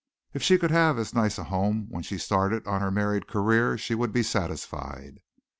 If she could have as nice a home when she started on her married career she would be satisfied.